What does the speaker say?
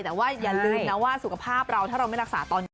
แต่ว่าอย่าลืมนะว่าสุขภาพเราถ้าเราไม่รักษาตอนนี้